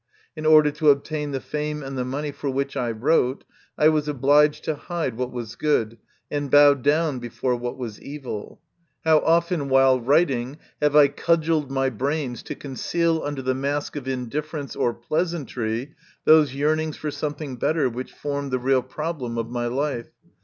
In order to obtain the fame and the money for which I wrote, I was obliged to hide what was good and bow down before what was evil. How often, while writing, have I cudgelled my brains to conceal under the mask of indifference or pleasantry those yearnings for something better which formed the real problem of my life